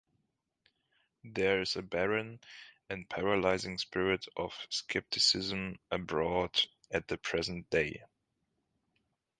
There is a barren and paralyzing spirit of skepticism abroad at the present day.